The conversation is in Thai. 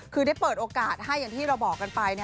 คือได้เปิดโอกาสให้อย่างที่เราบอกกันไป